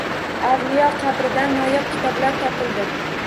Avliyo qabridan noyob kitoblar topildi